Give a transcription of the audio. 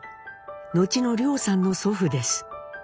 後の凌さんの祖父です。